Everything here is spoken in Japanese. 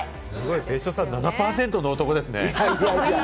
別所さん、７％の男ですね。